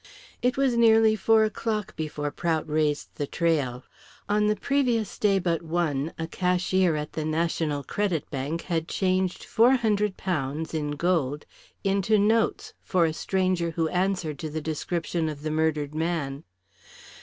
It was nearly four o'clock before Prout raised the trail. On the previous day but one a cashier at the National Credit Bank had changed £400 in gold into notes for a stranger who answered to the description of the murdered man.